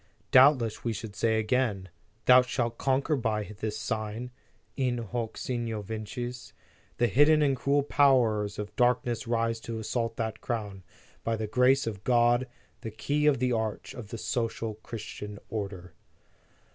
Doubtless we should again say : Thou shalt conquer by this sign: in hoc signo vinces The hidden and cruel powers of darkness rise to assault that Crown, by the grace of God, the key of the arch of the social Christian order."